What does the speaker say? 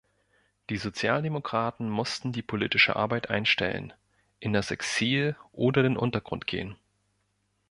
Die Sozialdemokraten mussten die politische Arbeit einstellen, in das Exil oder den Untergrund gehen.